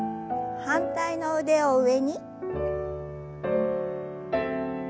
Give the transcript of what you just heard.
反対の腕を上に。